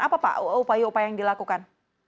apa pak upaya upaya yang dilakukan